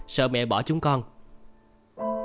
sợ mẹ bỏ chúng con đi